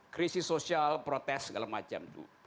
krisis sosial protes segala macam itu